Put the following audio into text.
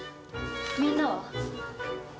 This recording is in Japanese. みんなは？